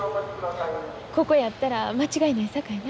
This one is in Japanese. ここやったら間違いないさかいな。